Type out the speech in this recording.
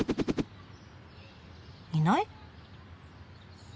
いない？